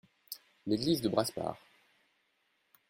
L’église de Brasparts.